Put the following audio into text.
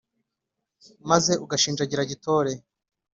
Maze ugashinjagira gitore,